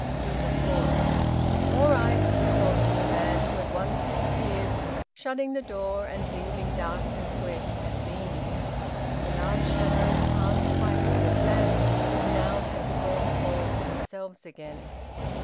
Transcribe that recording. Hilda paused. "All right," she called to the man, who at once disappeared, shutting the door and leaving darkness where he had been. The large shadows cast by Hilda's lamp now had the gaunt hall to themselves again.